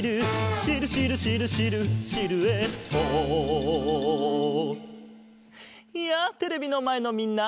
「シルシルシルシルシルエット」やあテレビのまえのみんな！